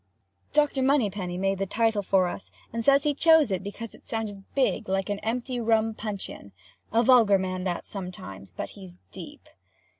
Dr. Moneypenny made the title for us, and says he chose it because it sounded big like an empty rum puncheon. (A vulgar man that sometimes—but he's deep.)